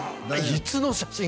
いつの写真？